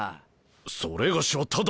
それがしはただ。